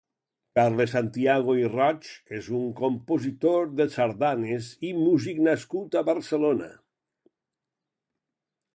Carles Santiago i Roig és un compositor de sardanes i músic nascut a Barcelona.